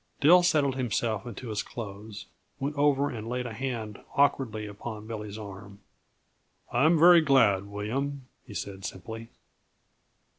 Dill settled himself into his clothes, went over, and laid a hand awkwardly upon Billy's arm, "I am very glad, William," he said simply.